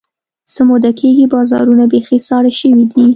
څه موده کېږي، بازارونه بیخي ساړه شوي دي.